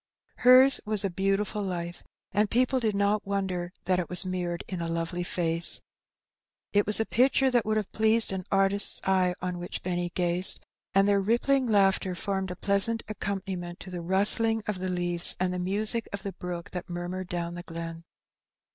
Hers was a beautiful life, and people did not wonder that it was mirrored in a lovely face. It was a picture that would have pleased an artist's eye on which Benny gazed, and their rippling laughter formed a pleasant accompaniment to the rustling of the leaves and the music of the brook that murmured down the glen.